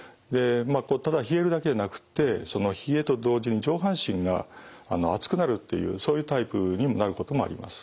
ただ冷えるだけでなくって冷えと同時に上半身が熱くなるっていうそういうタイプになることもあります。